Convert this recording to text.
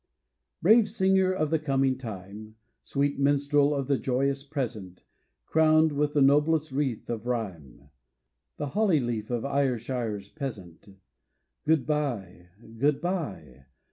Brave singer of the coming time, Sweet minstrel of the joyous present, Crowned with the noblest wreath of rhyme, The holly leaf of Ayrshire's peasant, Good bye! Good bye!